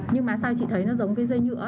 nhưng mà sao chị thấy nó giống cái dây nhựa